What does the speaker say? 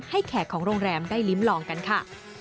แขกของโรงแรมได้ลิ้มลองกันค่ะ